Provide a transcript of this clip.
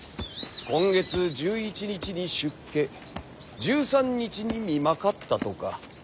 今月１１日に出家１３日に身まかったとか。